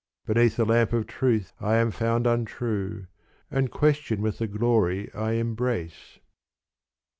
Beneath the lamp of truth I am found untrue And question with the glory I embrace.